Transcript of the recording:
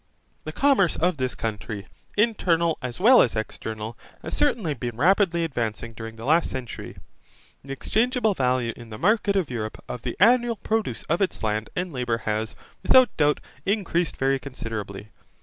The commerce of this country, internal as well as external, has certainly been rapidly advancing during the last century. The exchangeable value in the market of Europe of the annual produce of its land and labour has, without doubt, increased very considerably.